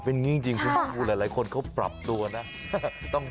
ต้องมีช่องทางออนไลน์ของตัวเอง